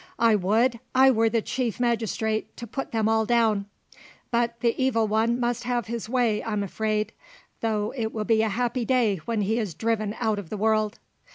I would I were the chief magistrate, to put them all down; but the Evil One must have his way, I'm afraid, though it will be a happy day when he is driven out of the world."